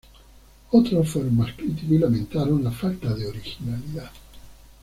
Otros fueron más críticos y lamentaron la falta de originalidad.